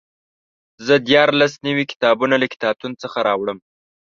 زه دیارلس نوي کتابونه له کتابتون څخه راوړم.